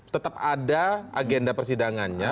tetap ada agenda persidangannya